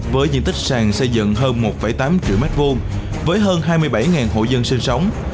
với diện tích sàn xây dựng hơn một tám triệu m hai với hơn hai mươi bảy hộ dân sinh sống